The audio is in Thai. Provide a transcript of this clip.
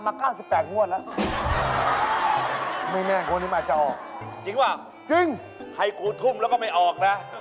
ไม่แน่นะวันนี้มันอาจจะออก